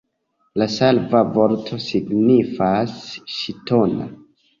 La slava vorto signifas ŝtona.